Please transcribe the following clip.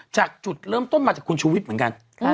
จากจุดเริ่มต้นมาจากคุณชูวิทย์เหมือนกัน